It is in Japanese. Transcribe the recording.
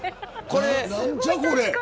何じゃこれ。